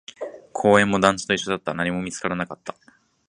公園も団地と一緒だった、何も見つからなかった